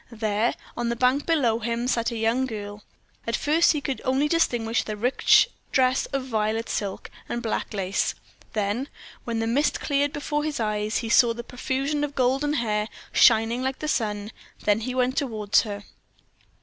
There, on the bank below him, sat a young girl. At first he could only distinguish the rich dress of violet silk and black lace; then, when the mist cleared before his eyes, and he saw a profusion of golden hair shining like the sun, then he went toward her.